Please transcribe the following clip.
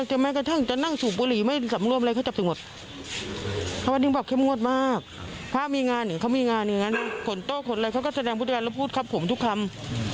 วันนี้แบบเข้มงวดมากพระมีงานเขามีงานอย่างงั้นขนโต้ขนอะไรเขาก็แสดงพุทธการแล้วพูดครับผมทุกคำ